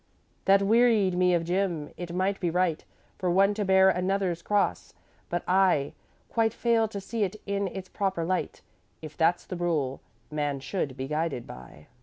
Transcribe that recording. "'That wearied me of Jim. It may be right For one to bear another's cross, but I Quite fail to see it in its proper light, If that's the rule man should be guided by.